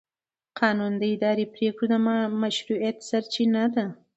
قانون د اداري پرېکړو د مشروعیت سرچینه ده.